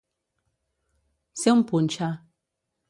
Ser un punxa.